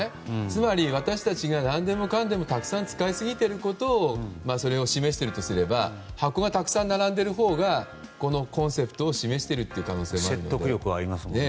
つまり私たちが何でもかんでもたくさん使いすぎていることをそれを示しているとすれば箱がたくさん並んでいるほうがこのコンセプトを示している可能性はありますね。